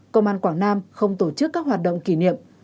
công an quảng nam không tổ chức các hoạt động kỷ niệm